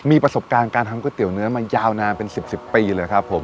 มีประสบการณ์การทำก๋วเนื้อมายาวนานเป็น๑๐ปีเลยครับผม